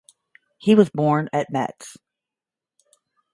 He was born at Metz.